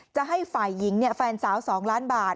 จะให้ฝ่ายหญิงแฟนสาว๒ล้านบาท